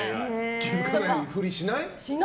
気づかないふりしない？